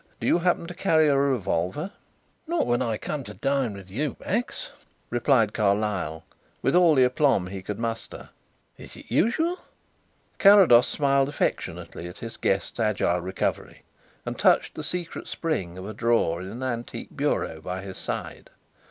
Do you happen to carry a revolver?" "Not when I come to dine with you, Max," replied Carlyle, with all the aplomb he could muster. "Is it usual?" Carrados smiled affectionately at his guest's agile recovery and touched the secret spring of a drawer in an antique bureau by his side.